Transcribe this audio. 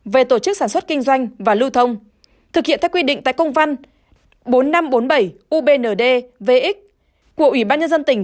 về tổ chức sản xuất kinh doanh và lưu thông thực hiện theo quy định tại công văn bốn nghìn năm trăm bốn mươi bảy ubndv của ủy ban nhân dân tỉnh